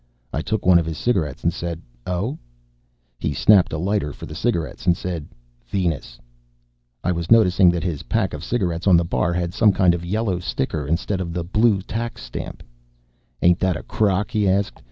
I took one of his cigarettes and said: "Oh." He snapped a lighter for the cigarettes and said: "Venus." I was noticing that his pack of cigarettes on the bar had some kind of yellow sticker instead of the blue tax stamp. "Ain't that a crock?" he asked.